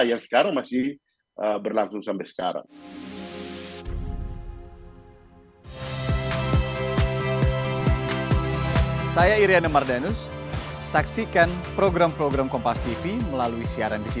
yang sekarang masih berlangsung sampai sekarang